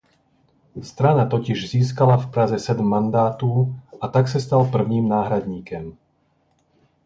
Strana totiž získala v Praze sedm mandátů a tak se stal prvním náhradníkem.